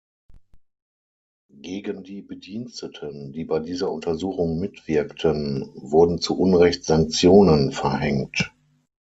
Gegen die Bediensteten, die bei dieser Untersuchung mitwirkten, wurden zu Unrecht Sanktionen verhängt.